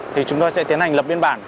thì chúng tôi sẽ tiến hành lập biên bản